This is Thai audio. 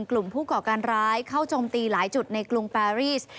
กลุ่มผู้ก่อการร้ายเข้าจมตีหลายจุดในกรุงแปรีส